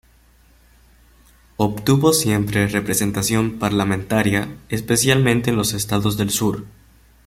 Obtuvo siempre representación parlamentaria, especialmente en los estados del sur.